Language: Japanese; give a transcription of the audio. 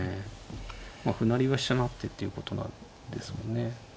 歩成りは飛車成ってっていうことなんですもんね。